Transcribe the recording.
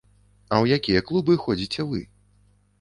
А ў якія клубы ходзіце вы?